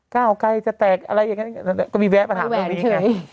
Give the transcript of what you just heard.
ก้าวใกล้จะแตกอะไรอย่างนี้ก็วิแวะประถามเรื่องนี้ไง